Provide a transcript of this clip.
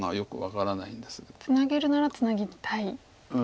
ツナげるならツナぎたいですか。